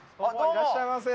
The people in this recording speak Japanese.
いらっしゃいませ。